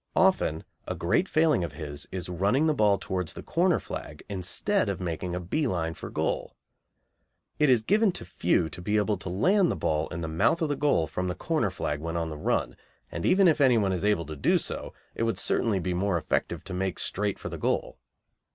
Often a great failing of his is running the ball towards the corner flag instead of making a bee line for goal. It is given to few to be able to land the ball in the mouth of the goal from the corner flag when on the run, and even if anyone is able to do so, it would certainly be more effective to make straight for the goal.